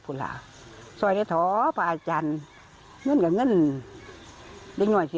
ข่าวที่ป่านหายพูดด้วยเทศนุน